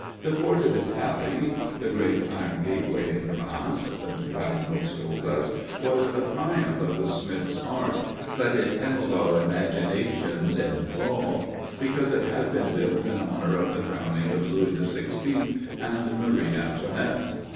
The Porte de Paris, the great iron gateway in Rheims, the guidebooks told us was a triumph of the smith's art, but it held our imaginations in thrall because it had been built in honor of the crowning of Louis XVI and Marie Antoinette.